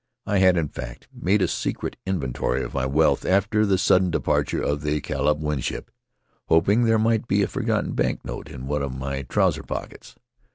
I had, in fact, made a secret inventory of my wealth after the sudden departure of the Caleb Winship, hoping there might be a forgotten bank note in one of my trousers pockets.